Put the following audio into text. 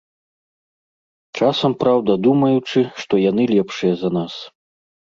Часам, праўда, думаючы, што яны лепшыя за нас.